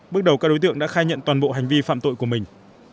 bước đầu các đối tượng đã khai nhận toàn bộ hành vi phạm tội của mình